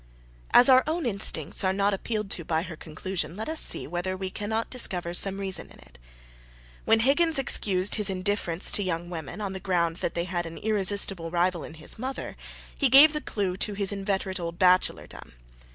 As our own instincts are not appealed to by her conclusion, let us see whether we cannot discover some reason in it. When Higgins excused his indifference to young women on the ground that they had an irresistible rival in his mother, he gave the clue to his inveterate old bachelordom.